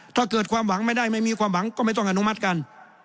ถ้าเกิดความหวังไม่ได้ไม่มีความหวังก็ไม่ต้องอนุมัติกัน